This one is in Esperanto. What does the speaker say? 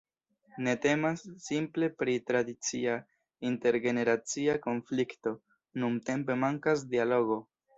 Ne temas simple pri tradicia intergeneracia konflikto: nuntempe mankas dialogo.